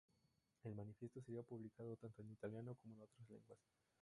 El Manifiesto sería publicado tanto en italiano como en otras muchas lenguas.